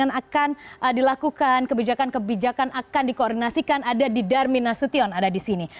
kebijakan dilakukan kebijakan kebijakan akan dikoordinasikan ada di darmin nasution ada disini